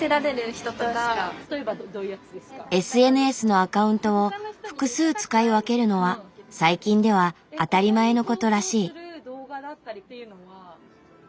ＳＮＳのアカウントを複数使い分けるのは最近では当たり前のことらしい。